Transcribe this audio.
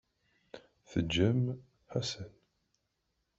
Tejjem Ḥasan.